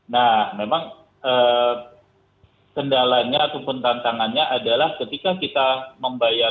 nah memang kendalanya ataupun tantangannya adalah ketika kita mencicil ya betul